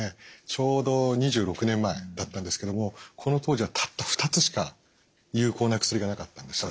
ちょうど２６年前だったんですけどもこの当時はたった２つしか有効な薬がなかったんです。